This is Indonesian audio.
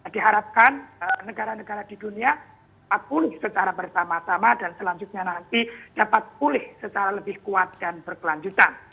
diharapkan negara negara di dunia dapat pulih secara bersama sama dan selanjutnya nanti dapat pulih secara lebih kuat dan berkelanjutan